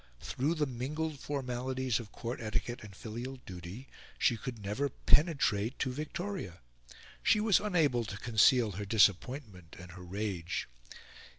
Through the mingled formalities of Court etiquette and filial duty, she could never penetrate to Victoria. She was unable to conceal her disappointment and her rage.